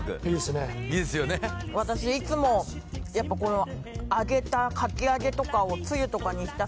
私いつもやっぱこの揚げたかき揚げとかをあ